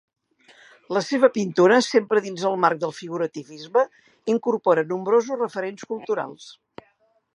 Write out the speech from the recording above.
La seva pintura, sempre dins el marc del figurativisme, incorpora nombrosos referents culturals.